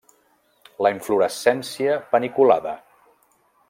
La inflorescència paniculada.